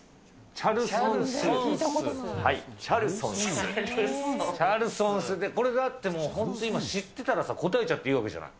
チャルソンスって、これがあっても、知ってたら答えちゃっていいわけじゃない。